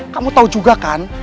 kamu tahu juga kan